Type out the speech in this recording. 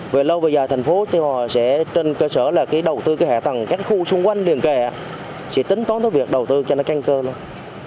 về lâu bây giờ tp tuy hòa sẽ trên cơ sở là đầu tư hạ tầng các khu xung quanh liền kẻ chỉ tính tốn tới việc đầu tư cho nó canh cơ thôi